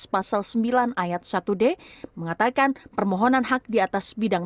pasal sembilan ayat satu d mengatakan permohonan hak di atas bidang